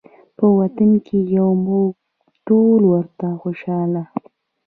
په وطن کې یو موږ ټول ورته خوشحاله